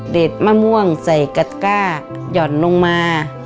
เด็ดมะม่วงใส่กาก้าหย่อนลงมา